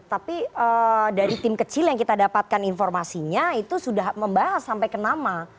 tapi dari tim kecil yang kita dapatkan informasinya itu sudah membahas sampai ke nama